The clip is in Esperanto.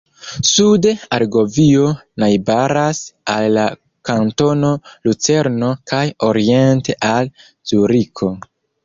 Sude Argovio najbaras al la kantono Lucerno kaj oriente al Zuriko.